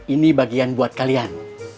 ini bagian buat kalian